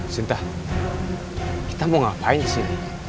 sinta kita mau ngapain disini